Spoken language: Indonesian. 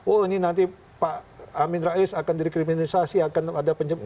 oh ini nanti pak amin rais akan dikriminalisasi akan ada penjemputan